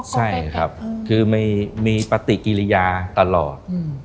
ใช่ครับคือมีปฏิกิริยาตลอด